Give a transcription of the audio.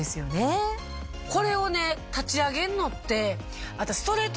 これを立ち上げんのって。